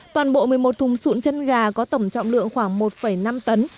toàn bộ một mươi một thùng sụn chân gà có tổng trọng lượng khoảng một năm tấn